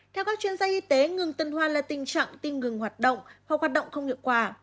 theo các chuyên gia y tế ngừng tân hoa là tình trạng tin ngừng hoạt động hoặc hoạt động không hiệu quả